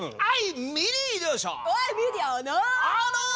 はい！